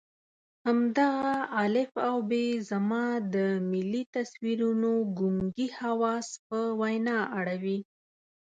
همدغه الف او ب زما د ملي تصویرونو ګونګي حواس په وینا اړوي.